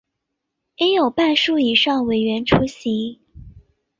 应有半数以上委员出席